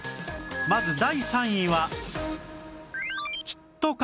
まず第３位は